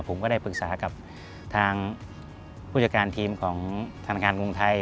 ผมก็ได้ปรึกษากับทางผู้จัดการทีมของธนาคารกรุงไทย